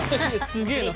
すげえな。